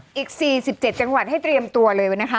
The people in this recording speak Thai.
อีก๔๗จังหวัดให้เตรียมตัวเลยนะคะ